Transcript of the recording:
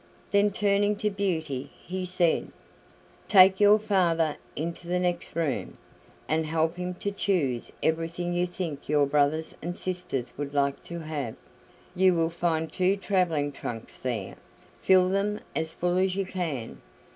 Then turning to Beauty, he said: "Take your father into the next room, and help him to choose everything you think your brothers and sisters would like to have. You will find two traveling trunks there; fill them as full as you can.